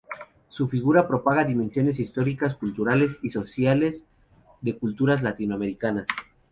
Su figura propaga dimensiones históricas, culturales y sociales de culturas latinoamericanas.